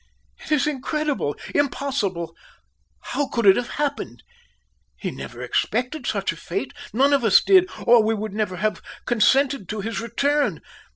It is incredible impossible how could it have happened? He never expected such a fate none of us did, or we would never have consented to his return.